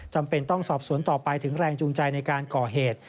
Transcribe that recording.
จำเป็นต้องสอบสวนต่อไปถึงแรงจูงใจในการก่อเหตุ